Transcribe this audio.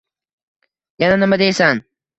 Yana nima deysan